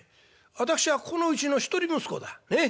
私はここのうちの一人息子だ。ねえ？